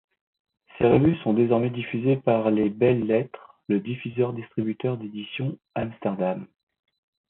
Ces revues sont désormais diffusées par Les Belles Lettres, le diffuseur-distributeur d'Éditions Amsterdam.